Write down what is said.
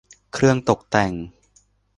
เครื่องตกแต่ง